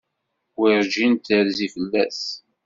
Werjin terzi fell-as.